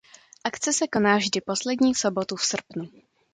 Akce se koná vždy poslední sobotu v srpnu.